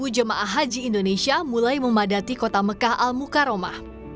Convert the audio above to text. dua puluh jemaah haji indonesia mulai memadati kota mekah al mukaromah